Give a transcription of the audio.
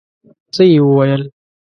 څه يې وويل.